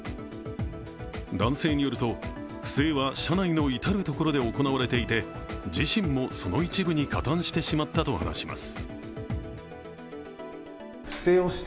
男性によると、不正は社内の至る所で行われていて自身もその一部に加担してしまったと話します。